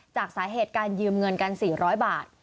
จากสาเหตุการยืมเงินกัน๔๐๐บาท